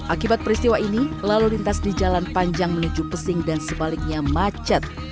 akibat peristiwa ini lalu lintas di jalan panjang menuju pesing dan sebaliknya macet